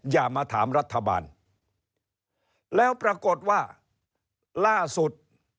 อย่ามาถามรัฐบาลแล้วปรากฏว่าล่าสุด